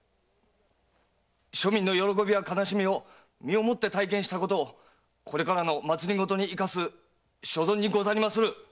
庶民の喜びや悲しみを身をもって体験したことをこれからの政に生かす所存にござりまする！